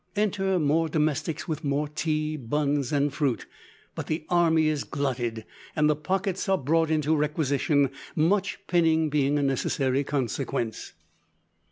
Enter more domestics with more tea, buns, and fruit; but the army is glutted, and the pockets are brought into requisition: much pinning being a necessary consequence.